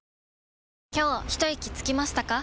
今日ひといきつきましたか？